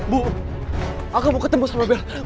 bu aku mau ketemu sama bella